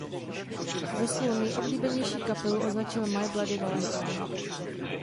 Za svou nejoblíbenější kapelu označil My Bloody Valentine.